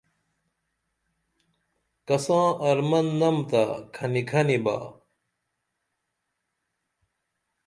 کساں ارمن نم تہ کھنی کھنی با